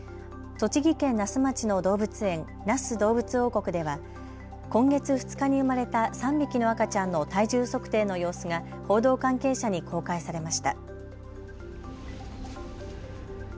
栃木県那須町の動物園那須どうぶつ王国では、今月２日に生まれた３匹の赤ちゃんの体重測定の様子が報道関係者に公開されました。